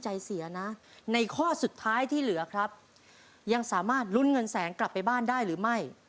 ใจเสียนะในข้อสุดท้ายที่เหลือครับยังสามารถลุ้นเงินแสนกลับไปบ้านได้หรือไม่